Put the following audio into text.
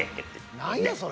［何やそれ］